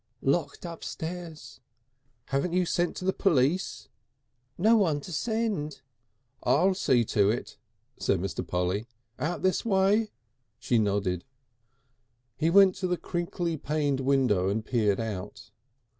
"Locked upstairs." "Haven't you sent to the police?" "No one to send." "I'll see to it," said Mr. Polly. "Out this way?" She nodded. He went to the crinkly paned window and peered out.